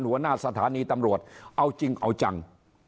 หัวหน้าสถานีตำรวจเอาจริงเอาจัง